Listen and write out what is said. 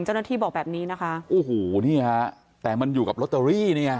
เจ้าหน้าที่บอกแบบนี้นะคะโอ้โหนี่ฮะแต่มันอยู่กับลอตเตอรี่เนี่ย